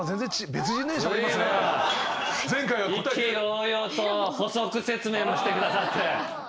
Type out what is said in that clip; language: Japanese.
意気揚々と補足説明もしてくださって。